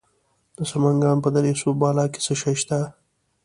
د سمنګان په دره صوف بالا کې څه شی شته؟